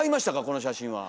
この写真は。